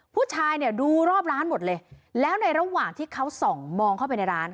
ผู้ชายเนี่ยดูรอบร้านหมดเลยแล้วในระหว่างที่เขาส่องมองเข้าไปในร้าน